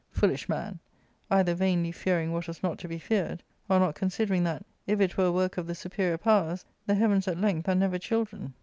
Foolish man ! either vainly fearing what was not to be feared, or not considering that, if it were a work of the superior powers, the heavens at length are never children.